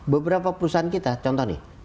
beberapa perusahaan kita contoh nih